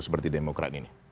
seperti demokrat ini